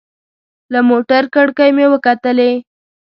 له موټر کړکۍ مې وکتلې.